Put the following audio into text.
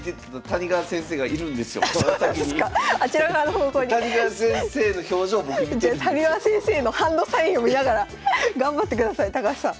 谷川先生のハンドサインを見ながら頑張ってください高橋さん。